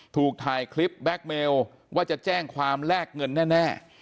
ถูกถ่ายคลิปแบ็คเมลว่าจะแจ้งความแลกเงินแน่